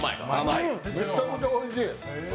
めちゃくちゃおいしい。